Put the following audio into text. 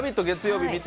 月曜日